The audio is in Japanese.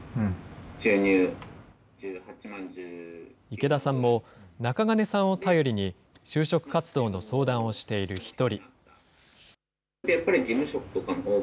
池田さんも、中金さんを頼りに、就職活動の相談をしている一人。